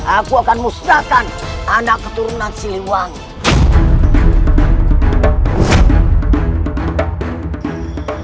aku akan musnahkan anak keturunan siliwangi